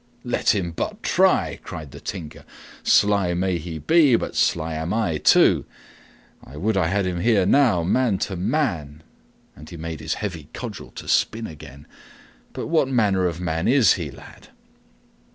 "Let him but try!" cried the Tinker. "Sly may he be, but sly am I, too. I would I had him here now, man to man!" And he made his heavy cudgel to spin again. "But what manner of man is he, lad?